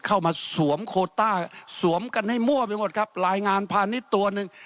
เข้ามาสวมโคต้าสวมกันให้มั่วไปหมดครับรายงานพาณิชย์ตัวหนึ่ง